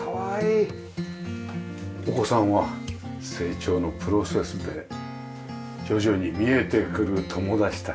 お子さんは成長のプロセスで徐々に見えてくる友達たち。